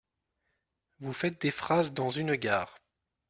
Vous faites des phrases dans une gare !